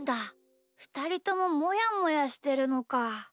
ふたりとももやもやしてるのか。